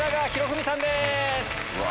うわ！